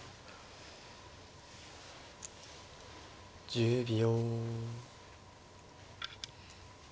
１０秒。